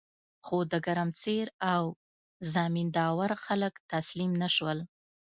خو د ګرمسیر او زمین داور خلک تسلیم نشول.